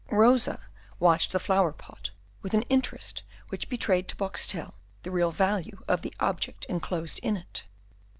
Rosa watched the flower pot with an interest which betrayed to Boxtel the real value of the object enclosed in it.